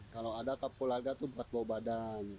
kalau ada kap kulaga tuh buat bau badan